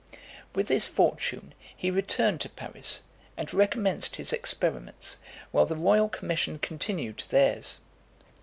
With this fortune he returned to Paris, and recommenced his experiments, while the royal commission continued theirs.